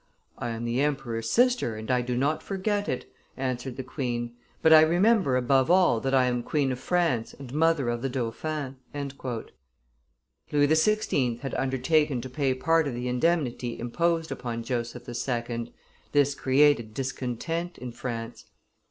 "I am the emperor's sister, and I do not forget it," answered the queen; "but I remember above all that I am queen of France and mother of the dauphin." Louis XVI. had undertaken to pay part of the indemnity imposed upon Joseph II.; this created discontent in France.